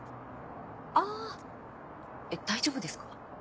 あぁえっ大丈夫ですか？